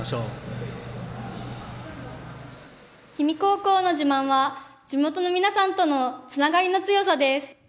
氷見高校の自慢は、地元の皆さんとのつながりの強さです。